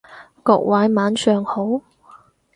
各位晚上好